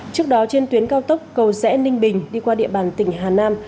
trước đó trên tuyến cao tốc cầu rẽ ninh bình đi qua địa bàn tỉnh hà nam